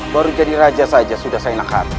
baru jadi raja saja sudah saya lakukan